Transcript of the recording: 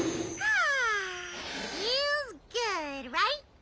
あ？